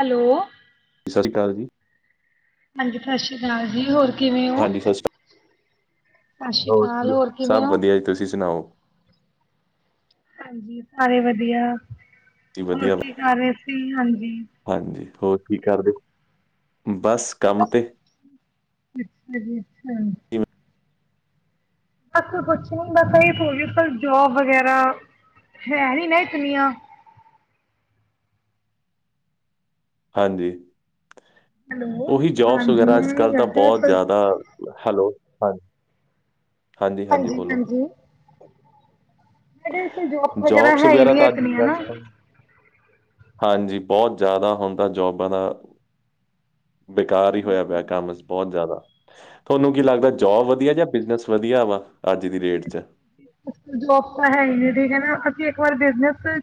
Hello ਸਤਿ ਸ਼੍ਰੀ ਅਕਾਲ ਜੀ ਹਾਂਜੀ ਸਸ੍ਰੀ ਅਕਾਲ ਜੀ ਹੋਰ ਕਿਵੇਂ ਹੋ ਹਾਂਜੀ ਸਤਿ ਸ਼੍ਰੀ ਸਸ਼੍ਰੀ ਅਕਾਲ ਕੀ ਹੋਰ ਸਭ ਕਿਵੇਂ ਓ ਵਧੀਆ ਜੀ ਤੁਸੀਂ ਸੁਣਾਓ ਹਾਂਜੀ ਸਾਰੇ ਵਧੀਆ ਜੀ ਹੋਰ ਵਧੀਆ ਕੀ ਨਾਲੇ ਅਸੀ ਹਾਂਜੀ ਹਾਂਜੀ ਹੋਰ ਕੀ ਕਰਦੇ ਓ ਬਸ ਕੰਮ ਤੇ ਅੱਛਾ ਜੀ ਅੱਛਾ ਕਿਵੇਂ- ਅਸੀ ਕੁਛ ਨੀ ਬਸ ਇਹੀ ਹੋਲ ਜੋਬ ਵਗੈਰਾ ਹੈ ਨੀ ਨਾ ਇਤਨੀਆਂ ਹਾਂਜੀ ਹੈਲੋ, ਉਹੀ ਜੋਬਸ ਹਾਂਜੀ ਵਗੈਰਾ ਅੱਜ ਮੈਂ ਇਹ ਕੱਲ੍ਹ ਗੱਲ ਤਾਂ ਕਰ ਰਹੀ ਬਹੁਤ ਸੀ ਜ਼ਾਦਾ ਹੈਲੋ ਹਾਂਜੀ ਹਾਂਜੀ, ਹਾਂਜੀ ਮੈਂ ਕਿਹਾ ਇੱਥੇ ਜੋਬ ਜੋਬਸ ਹੈ ਵਗੈਰਾ ਨੀ ਤਾਂ ਅੱਜ ਹੀ ਇਤਨੀਆਂ ਕਰ ਨਾ। ਲਓ ਹਾਂਜੀ ਬੋਹਤ ਜ਼ਾਦਾ ਹੁਣ ਤਾਂ ਜੋਬਾਂ ਦਾ ਬੇਕਾਰ ਹੀ ਹੋਇਆ ਪਿਆ ਕੰਮ ਬੋਹਤ ਜ਼ਾਦਾ ਤੁਹਾਨੂੰ ਕੀ ਲੱਗਦਾ ਜੋਬ ਵਧੀਆ ਜਾਂ ਬਿਜਨਸ ਵਧੀਆ ਵਾ ਅੱਜ ਦੀ ਡੇਟ 'ਚ ਜੋਬ ਤਾਂ ਹੈ ਹੀ ਨਾ ਠੀਕ ਹੈ ਨਾ ਅਸੀਂ ਇੱਕ ਵਾਰ ਬਿਜਨਸ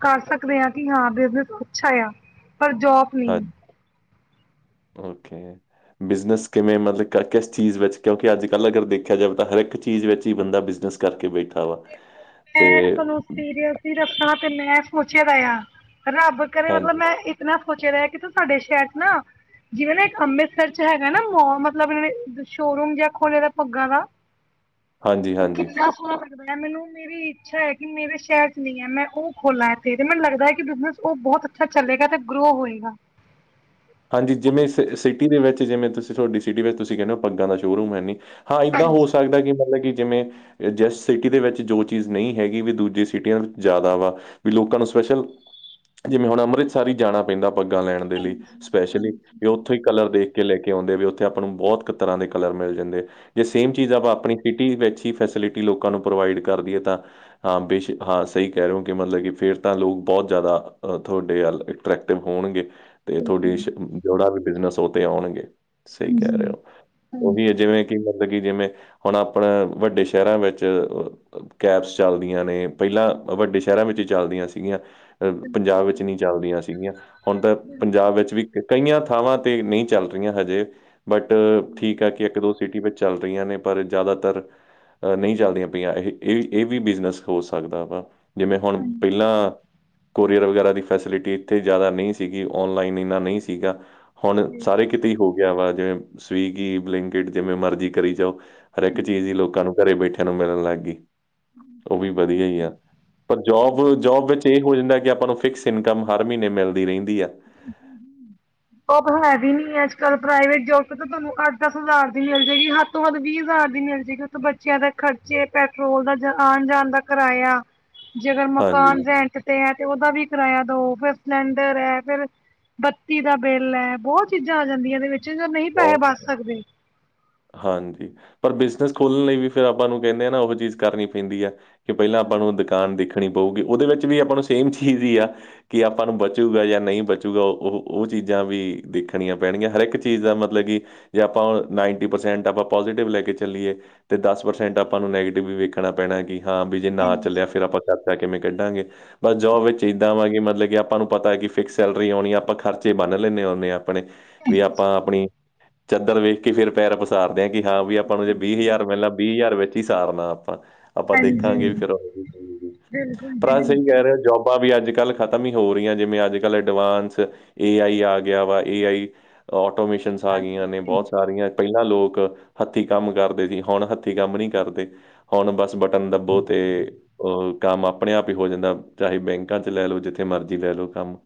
ਕਰ ਸਕਦੇ ਹਾਂ ਕਿ ਹਾਂ ਬਿਜਨਸ ਅੱਛਾ ਆਇਆ ਪਰ ਜੋਬ ਨਹੀਂ। ਹਾਂਜੀ ਓਕੇ ਬਿਜ਼ਨਸ ਕਿਵੇਂ ਮਤਲਬ ਕਿਸ ਚੀਜ਼ ਵਿੱਚ ਕਿਉਂਕਿ ਅੱਜ ਕੱਲ ਅਗਰ ਦੇਖਿਆ ਜਾਵੇ ਤਾਂ ਹਰ ਇੱਕ ਚੀਜ਼ ਵਿੱਚ ਹੀ ਬੰਦਾ ਬਿਜ਼ਨਸ ਕਰਕੇ ਬੈਠਾ ਵਾ ਤੇ ਮੈਂ ਤੁਾਨੂੰ ਸੀਰੀਅਸ ਹੈ ਰਖਾ ਤੇ ਮੈਂ ਸੋਚਿਆ ਵੇ ਆ ਹਨਾ ਬ ਕੇ ਬੀ ਮਤਲਬ ਹਾਂਜੀ ਮੈਂ ਇਤਨਾ ਸੋਚਿਆ ਵਿਹਾ ਕਿ ਤੂੰ ਸਾਡੇ ਸ਼ਹਿਰ ਚ ਨਾ ਜਿਵੇਂ ਨਾ ਇੱਕ ਅੰਮ੍ਰਿਤਸਰ ਚ ਹੈਗਾ ਨਾ ਮੋ ਮਤਲਬ ਸ਼ੋਰੂਮ ਜਾਂ ਖੋਲੇ ਦਾ ਪੱਗਾਂ ਦਾ ਹਾਂਜੀ- ਉਹ ਹਾਂਜੀ। ਕਿੰਨਾ ਸੋਹਣਾ ਲੱਗਦਾ ਮੈਨੂੰ ਮੇਰੀ ਇੱਛਾ ਹੈ ਕਿ ਮੇਰੇ ਸ਼ਹਿਰ ਚ ਨੀ ਏ ਮੈਂ ਉਹ ਖੋਲਾਂ ਇੱਥੇ ਤੇ ਮੈਨੂੰ ਲੱਗਦਾ ਹੈ ਕਿ ਬੀਜਨਸ ਉਹ ਬੋਹਤ ਅੱਛਾ ਚਲੇਗਾ ਤੇ ਗਰੋ ਹੋਏਗਾ। ਹਾਂਜੀ ਜਿਵੇਂ ਸਿਟੀ ਦੇ ਵਿੱਚ ਜਿਵੇਂ ਤੁਸੀਂ ਤੁਹਾਡੀ ਸਿਟੀ ਵਿੱਚ ਤੁਸੀਂ ਕਹਿੰਦੇ ਹੋ ਪੱਗਾਂ ਦਾ ਸ਼ੋਅਰੂਮ ਹੈ ਨੀ ਹਾਂ ਇੱਦਾਂ ਹੋ ਹਾਂਜੀ ਸਕਦਾ ਕਿ ਮਤਲਬ ਕਿ ਜਿਵੇਂ ਜਿਸ ਸਿਟੀ ਦੇ ਵਿੱਚ ਜੋ ਚੀਜ਼ ਨਹੀਂ ਹੈਗੀ ਵੀ ਦੂਜੀ ਸਿਟੀਆਂ ਚ ਜ਼ਾਦਾ ਵਾ ਵੀ ਲੋਕਾਂ ਨੂੰ ਸਪੈਸ਼ਲ ਜਿਵੇਂ ਹੁਣ ਅੰਮ੍ਰਿਤਸਰ ਹੀ ਜਾਣਾ ਪੈਂਦਾ ਪੱਗਾਂ ਲੈਣ ਦੇ ਲਈ ਵੀ ਉੱਥੋਂ ਹੀ ਕਲਰ ਦੇਖ ਕੇ ਲੈ ਕੇ ਆਉਂਦੇ ਵੀ ਉੱਥੇ ਆਪਾਂ ਨੂੰ ਬਹੁਤ ਤਰਾ ਦੇ ਕਲਰ ਮਿਲ ਜਾਂਦੇ ਏ। ਜੇ ਸੇਮ ਚੀਜ਼ ਆਪਾਂ ਆਪਣੀ ਸਿਟੀ ਵਿੱਚ ਹੀ ਫੈਸਿਲਿਟੀ ਲੋਕਾਂ ਨੂੰ ਪ੍ਰੋਵਾਈਡ ਕਰਦੀ ਏ ਤਾਂ ਹਾਂ ਬੇਸ਼ ਹਾਂ ਸਹੀ ਕਹਿ ਰੇ ਓ ਕਿ ਮਤਲਬ ਕਿ ਫੇਰ ਤਾਂ ਲੋਕ ਬਹੁਤ ਜ਼ਿਆਦਾ ਤੁਹਾਡੇ ਅਲ ਅਟਰੈਕਟਿਵ ਹੋਣਗੇ। ਤੇ ਤੁਹਾਡੀ ਜੋੜਾ ਵੀ ਬਿਜਨਸ ਉ ਤੇ ਆਉਣਗੇ ਸਹੀ ਕਹਿ ਰਹੇ ਹੋ ਉਹੀ ਹੈ ਜਿਵੇਂ ਕੀ ਮਤਲਬ ਕਿ ਜਿਵੇਂ ਹੁਣ ਆਪਣਾ ਵੱਡੇ ਸ਼ਹਿਰਾਂ ਵਿੱਚ ਕੈਪਸ ਚੱਲਦੀਆਂ ਨੇ, ਪਹਿਲਾਂ ਵੱਡੇ ਸ਼ਹਿਰਾਂ ਵਿੱਚ ਈ ਚੱਲਦੀਆਂ ਸੀਗੀਆਂ। ਅ ਪੰਜਾਬ ਵਿੱਚ ਨੀਂ ਚੱਲਦੀਆਂ ਸੀਗੀਆਂ ਹੁਣ ਤਾਂ ਪੰਜਾਬ ਵੀ ਕਈਆਂ ਥਾਵਾਂ ਤੇ ਨਈ ਚੱਲ ਰਈਆਂ ਹਜੇ ਬਟ ਠੀਕ ਏ ਕਿ ਇੱਕ, ਦੋ ਸਿਟੀ ਵਿੱਚ ਚੱਲ ਰਈਆਂ ਨੇ ਪਰ ਜ਼ਾਦਾਤਰ ਅ ਨਹੀਂ ਚੱਲਦੀਆਂ ਪਈਆਂ। ਏਹੇ ਇਹ- ਇਹ ਵੀ ਬਿਜਨਸ ਹੋ ਸਕਦਾ ਵਾ। ਜਿਵੇਂ, ਹੁਣ ਪਹਿਲਾਂ ਕੋਰੀਅਰ ਵਗੈਰਾ ਦੀ ਫੈਸਿਲਿਟੀ ਇੱਥੇ ਜ਼ਿਆਦਾ ਨਹੀਂ ਸੀਗੀ। ਔਨਲਾਈਨ ਇੰਨਾ ਨਹੀਂ ਸੀਗਾ। ਹੁਣ ਸਾਰੇ ਕ ਕਿਤੇ ਹੀ ਹੋ ਗਿਆ ਵਾ। ਜਿਵੇਂ, ਸਵੀਗੀ, ਬਲਿੰਕਟ, ਜਿਵੇਂ ਮਰਜ਼ੀ ਕਰੀ ਜਾਓ। ਹਰਿੱਕ ਚੀਜ਼ ਹੀ ਲੋਕਾਂ ਨੂੰ ਘਰੇ ਬੈਠਿਆ ਨੂੰ ਮਿਲਣ ਲੱਗ ਗੀ। ‌‌ ਉਹ ਵੀ ਵਧੀਆ ਹੀ ਆ। ਪਰ ਜੋਬ- ਜੋਬ ਵਿੱਚ, ਇਹ ਹੋ ਜਾਂਦਾ ਕਿ, ਆਪਾਂ ਨੂੰ ਫਿਕਸ ਇਨਕਮ ਹਰ ਮਹੀਨੇ ਮਿਲਦੀ ਰਹਿੰਦੀ ਆ। ਉਹ ਤਾਂ ਹੁਣ ਹੈ ਵੀ ਨੀ ਏ, ਅੱਜ- ਕੱਲ ਪ੍ਰਾਈਵੇਟ ਜੋਬ ਤੇ ਤਾਂ ਤੁਹਾਨੂੰ ਅੱਠ- ਦਸ ਹਜ਼ਾਰ ਦੀ ਮਿਲ ਜਾਏਗੀ। ਹੱਦ ਤੋਂ ਵੱਦ ਵੀਹ ਹਜ਼ਾਰ ਦੀ ਮਿਲ ਜੇਗੀ। ਉੱਤੇ ਬੱਚਿਆਂ ਦਾ ਖਰਚੇ, ਪੈਟਰੋਲ ਦਾ ਜਣ ਆਣ- ਜਾਣ ਦਾ ਕਿਰਾਇਆ। ਜੇਕਰ ਹਾਂਜੀ ਮਕਾਨ ਰੈਂਟ ਤੇ ਹੈ। ਉਹਦਾ ਵੀ ਕਿਰਾਇਆ ਦੋ ਫੇਰ ਸਿਲੰਡਰ ਐ। ਫੇਰ ਬੱਤੀ ਦਾ ਬਿੱਲ ਐ, ਬਹੁਤ ਚੀਜ਼ਾਂ ਆ ਜਾਂਦੀਆਂ ਇਹਦੇ ਵਿੱਚ, ਜੋ ਨਹੀਂ ਪੈਸੇ ਬਚ ਬਹੁਤ ਸਕਦੇ। ਹਾਂਜੀ ਪਰ ਬਿਜਨਸ ਖੋਲਣ ਲਈ ਵੀ ਫੇਰ ਆਪਾਂ ਨੂੰ ਕਹਿੰਨੇ ਆ ਨਾ। ਓਹੋ ਚੀਜ਼ ਕਰਨੀ ਪੈਂਦੀ ਆ। ਕਿ, ਪਹਿਲਾਂ ਆਪਾਂ ਨੂੰ ਦੁਕਾਨ ਦੇਖਣੀ ਪਊਗੀ। ਉਹਦੇ 'ਵਿੱਚ' ਵੀ ਆਪਾਂ ਨੂੰ ਸੇਮ ਚੀਜ਼ ਹੀ ਆ। ਕੀ ਆਪਾਂ ਨੂੰ ਬਚੂਗਾ ਜਾਂ ਨਹੀਂ ਬਚੂਗਾ। ਓਹੋ, ਉਹ ਚੀਜ਼ਾਂ ਵੀ ਦੇਖਣੀਆਂ ਪੈਣਗੀਆਂ। ਹਰਿੱਕ ਚੀਜ਼ ਦਾ ਮਤਲਬ ਕਿ, ਜੇ ਆਪਾਂ ਹੁਣ ਨਾਈਟ ਟੀ ਪ੍ਰਸੈਂਟ ਆਪਾਂ ਪੋਜੀਟਿਵ ਲੈ ਕੇ ਚੱਲੀਏ, ਤੇ ਦਸ ਪ੍ਰਸੈਂਟ ਆਪਾਂ ਨੂੰ ਨੈਗੇਟਿਵ ਵੀ ਵੇਖਣਾ ਪੈਣਾ। ਕੀ ਹਾਂ ਬੀ ਜੇ ਨਾ ਚੱਲਿਆ, ਹਾਂਜੀ ਫੇਰ ਆਪਾਂ ਖਰਚਾ ਕਿਵੇਂ ਕੱਢਾਂਗੇ। ਬਸ ਜੋਬ ਵਿੱਚ ਇੱਦਾਂ ਵਾ, ਕਿ, ਮਤਲਬ ਕਿ ਆਪਾਂ ਨੂੰ ਪਤਾ ਏ ਕਿ, ਫਿਕਸ ਸੈਲਰੀ ਆਉਣੀ ਆ। ਆਪਾਂ ਖ਼ਰਚੇ ਬੰਨ ਲੈਂਨੇ ਓਹਨੇ ਆ। ਆਪਣੇ। ਵੀ ਆਪਾਂ ਆਪਣੀ ਚਦਰ ਵੇਖ ਕੇ ਹੀ ਫੇਰ ਪੈਰ ਪਸਾਰ ਸਾਰਦੇ ਆ, ਕਿ, ਹਾਂ ਵੀ ਆਪਾਂ ਨੂੰ ਜੇ ਬੀਹ ਹਜ਼ਾਰ ਵਿਲਣਾ ਬੀਹ ਹਜ਼ਾਰ ਵਿੱਚ ਹੀ ਸਾਰਨਾ ਆਪਾਂ। ਆਪਾਂ ਦੇਖਾਂਗੇ ਵੀ ਫੇਰ ਬਿਲਕੁਲ ਜੀ ਭਰਾ ਸਹੀ ਕਹਿ ਰਿਆ। ਬਿਲਕੁਲ ਜੋਬ, ਬਾ ਵੀ ਅੱਜ- ਕੱਲ ਖਤਮ ਹੀ ਹੋ ਰੀਆ। ਜਿਵੇਂ ਅੱਜ- ਕੱਲ ਐਡਵਾਂਸ ਏ ਆਈ ਆ ਗਿਆ ਵਾ, ਏ ਆਈ। ਆਟੋਮੀਸ਼ਨਸ ਆ ਗਈਆਂ ਨੇ ਬੋਤ ਸਾਰੀਆਂ ਪੈਲਾਂ ਲੋਕ ਹੱਥੀਂ ਕੰਮ ਕਰਦੇ ਸੀ ਹੁਣ ਹੱਥੀਂ ਕੰਮ ਨੀ ਕਰਦੇ। ਹੁਣ ਬਸ ਬਟਨ ਦੱਬੋ ਤੇ ਓ ਕੰਮ ਆਪਣੇ ਆਪ ਹੀ ਹੋ ਜਾਂਦਾ ਚਾਹੇ ਬੈਂਕਾਂ 'ਚ ਲੈ ਲੋ ਜਿੱਥੇ ਮਰਜ਼ੀ ਲੈ ਲੋ ਕੰਮ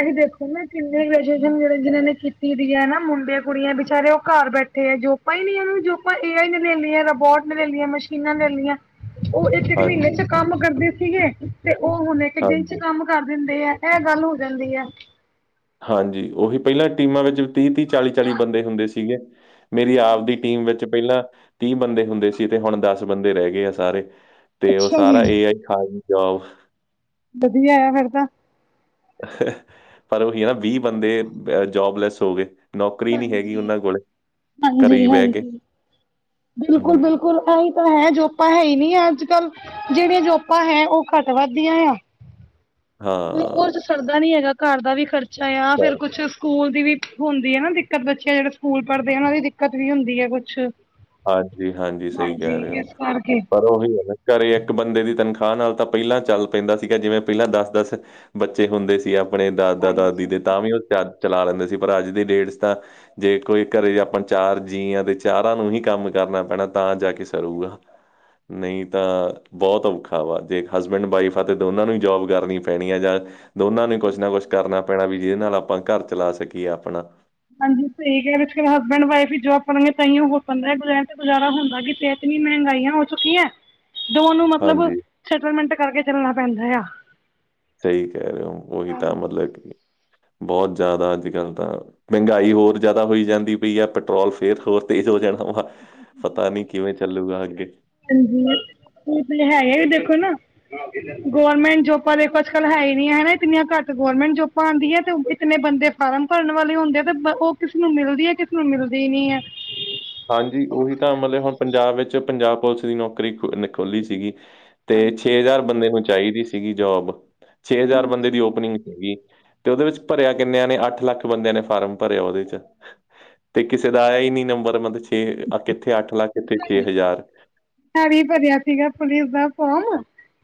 ਐ ਵੀ ਦੇਖੋ ਨਾ ਕਿੰਨੇ ਗ੍ਰੈਜੂਏਸ਼ਨ ਜੇੜੇ ਜਿਨਾਂ ਨੇ ਕੀਤੀ ਦੀ ਐ ਨਾ ਮੁੰਡੇ-ਕੁੜੀਆਂ ਬਿਚਾਰੇ ਓ ਘਰ ਬੈਠੇ ਆ ਜੋ ਪਈ ਨੀ ਏ ਓਹਨਾ ਨੂੰ ਜੋਪਾਂ ਏ ਆਈ ਨੇ ਲੈ ਲੀਆ ਰੋਬੋਟ ਨੇ ਲੈ ਲੀਆ ਮਸ਼ੀਨਾਂ ਲੈ ਲੀਆਂ। ਓ ਇੱਕ-ਇੱਕ ਮ੍ਹੀਨੇ ਹਾਂਜੀ 'ਚ ਕੰਮ ਕਰਦੇ ਸੀਗੇ ਤੇ ਓ ਹੁਣ ਇੱਕ ਦਿਨ 'ਚ ਹਾਂਜੀ ਕੰਮ ਕਰਦੇਨ ਤੇ ਐ ਗੱਲ ਹੋ ਜਾਂਦੀ ਐ। ਹਾਂਜੀ ਉਹੀ ਪੈਲਾਂ ਟੀਮਾਂ ਵਿੱਚ ਤੀਹ-ਤੀਹ ਚਾਲੀ-ਚਾਲੀ ਬੰਦੇ ਹੁੰਦੇ ਸੀਗੇ ਮੇਰੀ ਆਵ ਦੀ ਟੀਮ ਵਿੱਚ ਪੈਲਾਂ ਤੀਹ ਬੰਦੇ ਹੁੰਦੇ ਸੀ ਤੇ ਹੁਣ ਦਸ ਬੰਦੇ ਰਹਿ ਗੇ ਆ ਸਾਰੇ ਤੇ ਓ ਅੱਛਾ ਜੀ। ਸਾਰਾ ਏ ਆਈ [inaudible] ਵਧੀਆ ਏ ਫਿਰ ਤਾ [unintelligible] ਵੀਹ ਬੰਦੇ ਅ ਜੋਬਲੈਸ ਹੋ ਗੇ। ਨੌਕਰੀ ਨੀ ਹੈਗੀ ਹਾਂਜੀ, ਉਹਨਾਂ ਕੋਲ। ਘਰੇ ਹੀ ਹਾਂਜੀ, ਬਹਿ ਗੇ। ਹਾਂਜੀ। ਬਿਲਕੁਲ-ਬਿਲਕੁਲ ਐ ਈ। ਇ ਤਾਂ ਹੈ ਜੋਪਾਂ ਹੈ ਹੀ ਨੀ ਆ ਅੱਜ- ਕੱਲ੍ਹ ਜੇੜੀਆਂ ਜੋਪਾਂ ਹੈ ਓ ਘੱਟ ਵੱਧ ਦੀਆਂ। ਉਰ ਹਾਂ 'ਚ ਸਰਦਾ ਨੀ ਹੈਗਾ ਘਰ ਦਾ ਵੀ ਖਰਚਾ ਆ ਫਿਰ ਕੁਛ ਪਰ- ਸਕੂਲ ਦੀ ਵੀ ਹੁੰਦੀ ਐ ਨਾ ਦਿੱਕਤ ਬੱਚੇ ਜਿਹੜੇ ਸਕੂਲ ਪੜ੍ਹਦੇ ਉਹਨਾਂ ਦੀ ਦਿੱਕਤ ਵੀ ਹੁੰਦੀ ਐ ਕੁਛ ਹਾਂਜੀ-ਹਾਂਜੀ ਸਈ ਕਹਿ ਹਾਂਜੀ ਰਏ ਹੋ ਇਸ ਕਰਕੇ ਪਰ ਓਹਿ ਏ ਨਾ ਘਰੇ ਇੱਕ ਬੰਦੇ ਦੀ ਤਨਖਾਹ ਨਾਲ ਤਾਂ ਪੈਲਾਂ ਚੱਲ ਪੈਂਦਾ ਸੀਗਾ ਜਿਵੇਂ ਪੈਲਾਂ ਦਸ-ਦਸ ਬੱਚੇ ਹੁੰਦੇ ਸੀ ਆਪਣੇ ਦਾਦਾ-ਦਾਦੀ ਦੇ ਤਾਂ ਵੀ ਓ ਚਰ ਚਲਾ ਲੈਂਦੇ ਸੀ ਪਰ ਅੱਜ ਦੀ ਡੇਟ 'ਚ ਤਾਂ ਜੇ ਕੋਈ ਘਰੇ ਆਪਾਂ ਚਾਰ ਜੀ ਆ ਤੇ ਚਾਰਾਂ ਨੂੰ ਹੀ ਕ ਕੰਮ ਕਰਨਾ ਪੈਣਾ ਤਾਂ ਜਾ ਕੇ ਸਰੂਗਾ ਨਈ ਤਾਂ ਬੋਤ ਔਖਾ ਵਾ ਜੇ ਹਸਬੈਂਡ-ਵਾਈਫ ਆ ਤੇ ਦੋਨਾਂ ਨੂੰ ਹੀ ਜੋਬ ਕਰਨੀ ਪੈਣੀ ਆ ਜਾਂ ਦੋਨਾਂ ਨੂੰ ਹੀ ਕੁਛ ਨਾ ਕੁਛ ਕਰਨਾ ਪੈਣਾ ਵੀ, ਜਿਹਦੇ ਨਾਲ ਆਪਾਂ ਘਰ ਚਲਾ ਸਕੀਏ ਆਪਣਾ ਹਾਂਜੀ ਸਈ ਕਿਆ ਉਸਕੇ ਹਸਬੈਂਡ-ਵਾਈਫ ਵੀ ਜੋਬ ਕਰਨਗੇ ਤਾਂਹੀ ਓ ਹੋ ਪਾਂਦਾ ਏ ਏਹੁ ਰੈਂਣ ਤੇ ਗੁਜਾਰਾ ਹੁੰਦਾ ਕਿੱਥੇ ਐ। ਇਤਨੀ ਮਹਿੰਗਾਈਆ ਹੋ ਚੁੱਕੀਆਂ। ਤੇ ਉਨੂੰ ਮਤਲਬ ਹਾਂਜੀ ਸੈਟਲਮੈਂਟ ਕਰਕੇ ਚੱਲਣਾ ਪੈਂਦਾ ਆ। ਸਈ ਕੈਹ ਰਏ ਹੋ ਉਹੀ ਤਾਂ ਹਾਂਜੀ ਮਤਲਬ ਕਿ ਬੋਤ ਜਾਦਾ ਅੱਜ ਕੱਲ ਤਾਂ ਮਹਿੰਗਾਈ ਹੋਰ ਜਾਦਾ ਹੋਈ ਜਾਂਦੀ ਪਈ ਆ ਪੈਟਰੋਲ ਫਿਰ ਹੋਰ ਤੇਜ਼ ਹੋ ਜਾਣਾ ਵਾ। ਪਤਾ ਨਈ ਕਿਵੇਂ ਚੱਲੂਗਾ ਅੱਗੇ ਹਾਂਜੀ [unintelligible] ਹੈਗੇ ਵੀ ਦੇਖੋ ਨਾ। ਗੌਰਰਮੈਂਟ ਜੋਪਾਂ ਦੇਖੋ ਅੱਜ ਕੱਲ ਹੈ ਹੀ ਨੀ ਹੈ ਹਨਾ ਇੰਨੀਆਂ ਘੱਟ ਗੌਰਰਮੈਂਟ ਜੋਪਾਂ ਆਂਦੀਆਂ ਤੇ ਕਿੰਨੇ ਬੰਦੇ ਫਾਰਮ ਭਰਨ ਵਾਲੇ ਹੁੰਦੇ ਆ ਤੇ ਓ ਕਿਸੇ ਨੂੰ ਮਿਲਦੀ ਹੈ ਕਿਸੇ ਨੂੰ ਮਿਲਦੀ ਨਈ ਐ। ਹਾਂਜੀ ਉਹੀ ਤਾਂ ਮਤਲਬ ਹੁਣ ਪੰਜਾਬ ਵਿੱਚ ਪੰਜਾਬ ਪੁਲਿਸ ਦੀ ਨੌਕਰੀ ਖ ਨਿਕਲੀ ਸੀਗੀ। ਤੇ ਛੇ ਹਜ਼ਾਰ ਬੰਦੇ ਨੂੰ ਚਾਹੀਦੀ ਸੀਗੀ ਜੋਬ ਛੇ ਹਜ਼ਾਰ ਬੰਦੇ ਦੀ ਓਪਨਿੰਗ ਗੀ। ਤੇ ਉਹਦੇ ਵਿੱਚ ਭਰਿਆ ਕਿੰਨਿਆਂ ਨੇ ਅੱਠ ਲੱਖ ਬੰਦਿਆਂ ਨੇ ਫਾਰਮ ਭਰਿਆ ਉਹਦੇ 'ਚ ਤੇ ਕਿਸੇ ਦਾ ਆਇਆ ਹੀ ਨੀ ਨੰਬਰ ਮਤਲਬ ਛੇ ਕਿੱਥੇ ਅੱਠ ਲੱਖ ਕਿੱਥੇ ਛੇ ਹਜ਼ਾਰ ਹਰੀ ਭਰਿਆ ਸੀਗਾ ਪੁਲਿਸ ਦਾ ਫੋਮ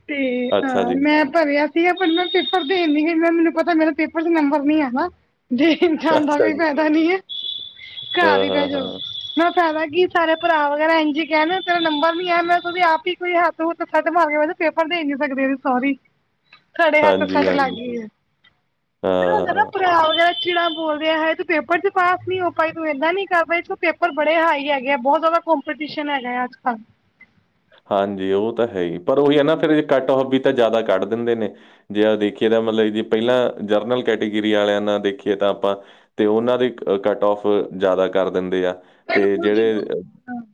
ਤੇ ਹ ਅੱਛਾ ਜੀ ਮੈਂ ਭਰਿਆ ਪਰ ਮੈਂ ਪੇਪਰ ਦੇਣਦੀ ਮੈਨੂੰ ਪਤਾ ਮੇਰਾ ਪੇਪਰ ਦੇ ਨੰਬਰ ਨੀ ਹੈਗਾ। ਜੇ ਇਨਸਾਨ ਦਾ ਅੱਛਾ ਕੋਈ ਜੀ ਫੈਦਾ ਨੀ ਹੈ ਹਾਂ ਘਰ ਹੀ ਪੈ ਹਾਂ ਜਾਓ ਹਾਂ ਮੈਂ ਫੈਦਾ ਕਿ ਸਾਰੇ ਭਰਾ ਵਗੈਰਾ ਇੰਜੀ ਕੈਣ ਤੇਰਾ ਨੰਬਰ ਨੀ ਐ ਮੈਂ ਦੇ ਆਪ ਹੀ ਕੋਈ ਹੱਥ ਹੁਥ ਛੱਡ ਮਾਰ ਮੈ ਪੇਪਰ ਦੇ ਨੀ ਸਕਦੇ ਸੋਰੀ ਖੜੇ ਹੱਥ ਹਾਂਜੀ ਸਾਡ ਹਾਂਜੀ ਲੱਗਈ ਆ ਹਾਂ ਫਿਰ ਹੋ ਜਾਂਦਾ ਨਾ ਭਰਾ [inaudible] ਵਗੈਰਾ ਚਿੜਾ ਬੋਲ ਰਿਆ ਹੈ ਤੂੰ ਪੇਪਰ ਚ ਪਾਸ ਨੀ ਹੋ ਪਾਈ ਤੂੰ ਏਨਾ ਨੀ ਕਰ ਪਾਈ ਤੂੰ ਪੇਪਰ ਬੜੇ ਹਾਈ ਹੈਗੇ ਐ ਬਹੁ ਜ਼ਾਦਾ ਕੌਂ ਕੰਪਟੀਸ਼ਨ ਹੈਗਾ ਅੱਜ ਕੱਲ। ਹਾਂਜੀ ਓ ਤਾਂ ਹੈ ਹੀ ਪਰ ਓਹੀ ਐ ਨਾ ਫਿਰ ਕੱਟ [unintelligible] ਵੀ ਤਾਂ ਜ਼ਾਦਾ ਕੱਢ ਦਿੰਦੇ ਨੇ। ਜੇ ਦੇਖੀਏ ਤਾਂ ਮਤਲਬ ਕੇ ਪੈਲਾਂ ਜਨਰਲ ਕੈਟੇਗਰੀ ਆਲੇਆਂ ਨਾਲ ਦੇਖੀਏ ਤਾਂ ਆਪਾਂ ਤੇ ਓਨਾਂ ਦੀ ਕੱਟ ਔਫ ਜ਼ਾਦਾ ਕਰ ਦਿੰਦੇ ਆ, ਤੇ ਬਿਲਕੁਲ ਜੀ ਜੇੜੇ ਬਿਲਕੁਲ।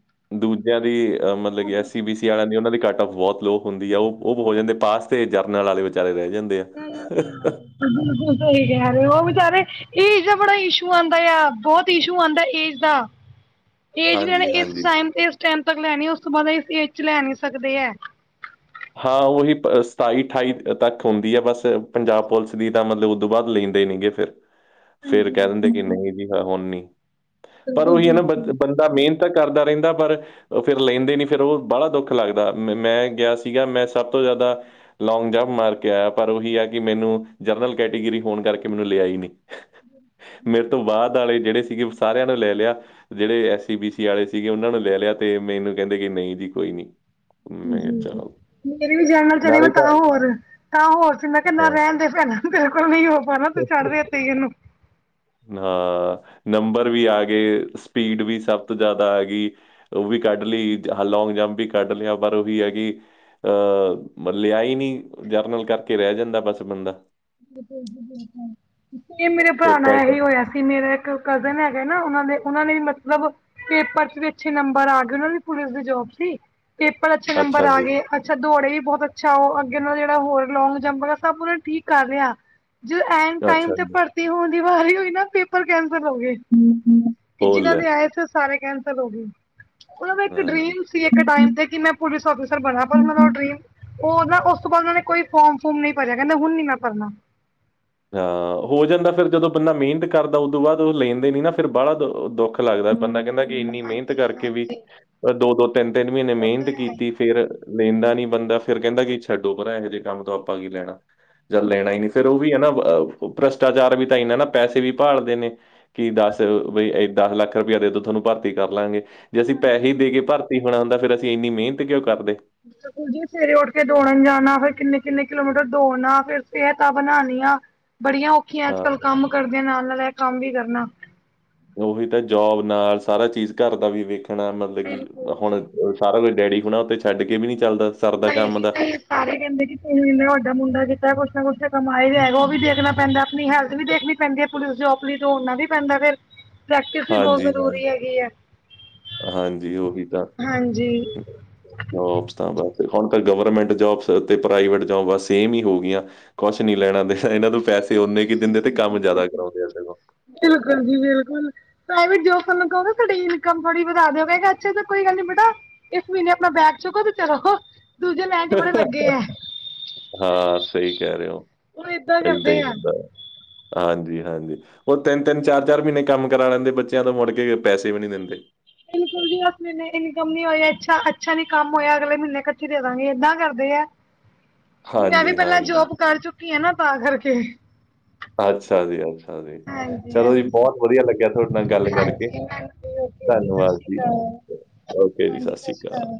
ਦੂਜਿਆਂ ਦੀ ਅਹ ਮਤਲਬ ਕੇ ਅਸੀਂ ਬੀ ਸੀ ਆਲਿਆਂ ਦੀ ਓਨਾਂ ਦੀ ਕੱਟ ਔਫ ਬੋਤ ਲੋ ਹੁੰਦੀ ਆ ਓਹ ਹੋ ਜਾਂਦੇ ਪਾਸ ਤੇ ਜਰਨਲ ਵਾਲੇ ਵਿਚਾਰੇ ਰੈ ਜਾਂਦੇ ਆ। ਨਈਂ-ਨਈਂ ਬਿਲਕੁਲ ਸਈ ਕੈ ਰਏ ਓਂ ਓਹ ਵਿਚਾਰੇ ਏਜ ਦਾ ਬੜਾ ਇਸ਼ੂ ਆਂਦਾ ਆ ਬੋਤ ਇਸ਼ੂ ਆਂਦਾ ਏਜ ਦਾ। ਏਜ ਵੇਲੇ ਹਾਂਜੀ ਏਸ ਹਾਂਜੀ ਟਾਈਮ ਤੇ ਲੈਨੀ ਉਸ ਤੋਂ ਬਾਦ ਇਸ ਏਜ ਚ ਲੈ ਨੀ ਸਕਦੇ ਐ। ਹਾਂ ਓਹੀ ਸਤਾਈ ਅਠਾਈ ਤੱਕ ਹੁੰਦੀ ਐ ਬਸ ਪੰਜਾਬ ਪੁਲਿਸ ਦੀ ਤਾਂ ਮਤਲਬ ਓਦੂੰ ਬਾਦ ਲੈ ਦੇਨਗੇ ਫਿਰ ਫੇਰ ਕੈ ਦਿੰਦੇ ਕਿ ਨਈਂ ਜੀ ਹੁਨ ਨੀ, ਪਰ ਓਹੀ ਐ ਨਾ ਬ ਬੰਦਾ ਮੇਹਨਤ ਕਰਦਾ ਰੈਂਦਾ ਪਰ ਫੇਰ ਲੈਂਦੇ ਨੀ ਫੇਰ ਓ ਵਾਲਾ ਦੁੱਖ ਲੱਗਦਾ ਮੈਂ ਗੇਆ ਸੀਗਾ ਮੈਂ ਸਬ ਤੋਂ ਜ਼ਾਦਾ ਲੌਂਗ ਜੰਪ ਮਾਰ ਕੇ ਆਏਆ ਪਰ ਓਹੀ ਆ ਕੇ ਮੈਨੂੰ ਜਰਨਲ ਕੈਟੇਗਰੀ ਹੋਨ ਕਰਕੇ ਮੈਨੂੰ ਲੇਆ ਈ ਨਹੀਂ। ਮੇਰੇ ਤੋਂ ਬਾਦ ਆਲੇ ਜੇੜੇ ਸੀਗੇ ਓ ਸਾਰੇਆਂ ਨੂੰ ਲੈ ਲੈਆ। ਜੇੜੇ ਐਸ ਸੀ ਬੀ ਸੀ ਆਲੇ ਸੀਗੇ ਓਨਾਂ ਨੂੰ ਲੈ ਲਿਆ ਤੇ ਮੈਨੂੰ ਕੈਂਦੇ ਕੇ ਨਹੀਂ ਜੀ ਕੋਈ ਨੀ। ਜੀ-ਜੀ ਮੇਰੇ ਵੀ ਜਰਨਲ ਚਣੇ ਮੈਂ ਤਾਂ ਹੋਰ ਤਾਂ ਹੋਰ ਸੀ ਮੈਂ ਕਿਆ ਨਾ ਹਾਂ। ਰੈਨ ਦੇ ਪੈ ਤੇਰੇ ਕੋਲ ਨੀ ਹੋ ਪਾਨਾ ਤੂੰ ਛੜਦੇ ਏਥੇ ਈ ਏਨੂੰ। ਹਾਂ ਨੰਬਰ ਵੀ ਆਗੇ, ਸਪੀਡ ਵੀ ਸਬ ਤੋਂ ਜ਼ਾਦਾ ਆਗੀ। ਓ ਵੀ ਕੱਢ ਲੀ ਲੌਂਗ ਜੰਪ ਵੀ ਕੱਢ ਲਿਆ ਪਰ ਓਹੀ ਐ ਕੀ ਅਹ ਮ ਲਿਆ ਈ ਨੀ ਜਰਨਲ ਕਰਕੇ ਰੈ ਜਾਂਦਾ ਬਸ ਬੰਦਾ। ਬਿਲਕੁਲ ਜੀ ਬਿਲਕੁਲ, ਸੇਮ ਮੇਰੇ ਭਰਾ ਫਿਰ ਨਾਲ ਕੱਟ ਐਹੀ ਹੋਏਆ ਸੀ। ਤੇ ਮੇਰਾ ਇੱਕ ਕਜ਼ਨ ਹੈਗਾ ਨਾ ਓਨਾਂ ਦੇ ਓਨਾਂ ਨੇ ਵੀ ਮਤਲਬ ਪੇਪਰ ਚ ਵੀ ਅੱਛੇ ਨੰਬਰ ਆ ਗਏ ਓਨਾਂ ਦੀ ਪੁਲਿਸ ਦੀ ਜੋਬ ਸੀ, ਪੇਪਰ ਅੱਛੇ ਨੰਬਰ ਅੱਛਾ ਆ ਜੀ ਗਏ। ਅੱਛਾ ਦੌੜੇ ਵੀ ਬੋਤ ਅੱਛਾ ਓਹ ਅੱਗੇ ਓਨਾਂ ਦਾ ਜੇੜਾ ਹੋਰ ਲੌਂਗ ਜੰਪ ਹੈਗਾ ਸਬ ਓਨਾਂ ਠੀਕ ਕਰ ਰਿਆ। ਜ ਐਂਨ ਟਾਈਮ ਅੱਛਾ ਤੇ ਜੀ ਭਰਤੀ ਹੋਨ ਦੀ ਵਾਰੀ ਹੋਈ ਨਾ ਪੇਪਰ ਕੈਂਸਲ ਹੋਗੇ। ਕੇ ਉਹ ਜਿਨਾਂ ਲੈ ਦੇ ਆਏ ਸੀ ਸਾਰੇ ਕੈਂਸਲ ਹੋਗੇ। ਓਦਾ ਨਾ ਇੱਕ ਹਾਂਜੀ ਡਰੀਮ ਸੀ ਇੱਕ ਟਾਈਮ ਤੇ ਕੇ ਮੈਂ ਪੁਲਿਸ ਔਫੀਸਰ ਬਨਾ ਪਰ ਹੁਨ ਓਦਾ ਡਰੀਮ ਓ ਨਾ ਓਸ ਤੋਂ ਬਾਦ ਓਨੇ ਕੋਈ ਫੋਰਮ ਫੂਮ ਨੀ ਭਰਿਆ ਕੈਂਦੇ ਹੁਨ ਨੀ ਮੈਂ ਭਰਨਾ। ਹਾਂ ਹੋ ਜਾਂਦਾ ਫਿਰ ਜਦੋਂ ਬੰਦਾ ਮੇਹਨਤ ਕਰਦਾ ਓਦੂੰ ਬਾਦ ਓ ਲੈਂਦੇ ਨੀ ਨਾ ਫਿਰ ਵਾਲਾ ਦ ਦੁੱਖ ਲੱਗਦਾ ਬੰਦਾ ਕੈਂਦਾ ਏਨੀ ਮੇਨਤ ਕਰਕੇ ਵੀ ਦੋ-ਦੋ ਤਿੰਨ-ਤਿੰਨ ਮੀਨੇ ਮੇਨਤ ਕੀਤੀ ਫੇਰ ਲੈਂਦਾ ਨੀ ਬੰਦਾ ਫੇਰ ਕੈਂਦਾ ਕੀ ਛੱਡੋ ਪਰਾਂ ਇਹੋ ਜੇ ਕੰਮ ਤੋਂ ਆਪਾਂ ਕੀ ਲੈਨਾ, ਜਦ ਲੈਣਾ ਈ ਨੀ ਫੇਰ ਓ ਵੀ ਹਨਾ ਭ੍ਰਸ਼ਟਾਚਾਰ ਵੀ ਤਾਂ ਏਨਾਂ ਨਾ ਪੈਸੇ ਵੀ ਭਾਲਦੇ ਨੇ। ਕੀ ਦਸ ਬਈ ਦਸ ਲੱਖ ਰੁਪਏਆ ਦੇਦੋ ਥੋਨੂੰ ਭਰਤੀ ਕਰ ਲਾਂਗੇ। ਜੇ ਅਸੀਂ ਪੈਸੇ ਦੇ ਕੇ ਭਰਤੀ ਹੋਨਾ ਹੁੰਦਾ ਫੇਰ ਅਸੀਂ ਏਨੀ ਮੇਨਤ ਕਿਓਂ ਕਰਦੇ। ਸਕੁਲ ਜੀ ਸਵੇਰੇ ਉੱਠ ਕੇ ਦੌੜਨ ਜਾਨਾ ਫੇਰ ਕਿੰਨੇ-ਕਿੰਨੇ ਕਿਲੋਮੀਟਰ ਦੌੜਨਾ ਫੇਰ ਸੇਹਤਾਂ ਬਨਾਨੀਆਂ ਬੜੀਆਂ ਔਖੀਆਂ ਹਾਂ ਅੱਜ-ਕੱਲ੍ਹ ਕੰਮ ਕਰਦੇਆਂ ਨਾਲ-ਨਾਲ ਐਹ ਕੰਮ ਵੀ ਕਰਨਾ। ਓਹੀ ਤਾਂ ਜੋਬ ਨਾਲ ਸਾਰਾ ਚੀਜ਼ ਘਰ ਦਾ ਵੀ ਵੇਖਨਾ ਮਤਲਬ ਕੀ ਹੁਨ ਸਾਰਾ ਕੁਝ ਡੈਡੀ ਹੁਨਾ ਤੇ ਛੱਡ ਕੇ ਵੀ ਨੀ ਚੱਲਦਾ ਸੀ। [inaudible] ਸਾਰੇ ਕੈਂਦੇ ਕੇ ਇੰਨਾ ਵੱਡਾ ਮੁੰਡਾ ਕੀਤਾ ਕੁਛ ਨਾ ਕੁਛ ਤਾ ਕਮਾਏ ਦਾ ਹੈਗਾ ਓ ਵੀ ਦੇਖਨਾ ਪੈਂਦਾ ਆਪਨੀ ਹੈਲਥ ਵੀ ਦੇਖਨੀ ਪੈਂਦੀ ਹੈ ਪੁਲਿਸ ਜੋਬ ਲਈ ਦੋੜਨਾ ਵੀ ਪੈਂਦਾ ਫਿਰ, ਪ੍ਰੈਕਟਿਸ ਵੀ ਬਹੁਤ ਹਾਂਜੀ ਹਾਂਜੀ ਜ਼ਰੂਰੀ ਹੈਗੀ ਹੈ। ਹਾਂਜੀ, ਉਹੀ ਤਾਂ ਜੋਬਸ ਤਾਂ ਬਸ, ਹੁਣ ਤਾਂ ਗਵਰਮੈਂਟ ਜੋਬਸ ਅਤੇ ਪ੍ਰਾਈਵੇਟ ਜੋਬ ਸੇਮ ਹੀ ਹੋ ਗੀਆਂ। ਕੁਛ ਨੀ ਲੈਣਾ, ਇਹਨਾਂ ਨੂੰ ਪੈਸੇ ਓਨੇ ਕੀ ਦਿੰਦੇ, ਤੇ ਕੰਮ ਜਿਆਦਾ ਕਰਾਉਂਦੇ ਆ ਸਗੋ। ਬਿਲਕੁਲ ਜੀ ਬਿਲਕੁਲ। ਪ੍ਰਾਈਵੇਟ ਜੋਬ ਤੁਹਾਨੂੰ ਕਹੋਗੇ, ਤੁ ਸਾਡੀ ਇਨਕਮ ਥੋੜੀ ਵਧਾ ਦਿਓਗੇਗਾ, ਅੱਛੇ ਤਾਂ ਕੋਈ ਗੱਲ ਨੀ ਬੇਟਾ ਇਸ ਮਹੀਨੇ ਆਪਣਾ ਬੈਗ ਚੁੱਕੋ, ਤੇ ਚਲੋੰ। ਹਾਂ ਸਹੀ ਕਹਿ ਰਹੇ ਹੋ, ਉਹ ਏਦਾਂ ਇਦਾ ਕਰਦੇ ਹੀ ਆ ਹੁੰਦਾ। ਹਾਂਜੀ, ਹਾਂਜੀ। ਉਹ ਤਿੰਨ ਤਿੰਨ, ਚਾਰ ਚਾਰ ਮਹੀਨੇ ਕੰਮ ਕਰਾ ਲੈਂਦੇ ਬੱਚਿਆਂ ਤੋਂ, ਮੁੜ ਕੇ ਪੈਸੇ ਵੀ ਨਹੀਂ ਦਿੰਦੇ। ਬਿਲਕੁਲ ਜੀ, ਉਸ ਮਹੀਨੇ ਇਨਕਮ ਨੀ ਹੋਈ, ਅੱਛਾ, ਅੱਛਾ ਨੀ ਕੰਮ ਹੋਇਆ, ਅਗਲੇ ਮਹੀਨੇ ਕੱਠੇ ਦੇ ਦਾਂਗੇ, ਏਦਾਂ ਕਰਦੇ ਹੈ। [unintelligible] ਮੈਂ ਵੀ ਹਾਂਜੀ ਪਹਿਲਾਂ ਹਾਂਜੀ ਜੋਬ ਕਰ ਚੁੱਕੀ ਹਾਂ ਨਾ, ਤਾਂ ਕਰਕੇ। ਅੱਛਾ ਜੀ, ਅੱਛ। ਚਲੋ ਜੀ, ਬਹੁਤ ਵਧੀਆ ਲੱਗਿਆ ਤੁਹਾਡੇ ਨਾਲ ਗੱਲ ਕਰਕੇ, ਧੰਨਵਾਦ ਜੀ। ਹਾਂਜੀ, ਸਤਿ ਸ਼੍ਰੀ ਅਕਾਲ।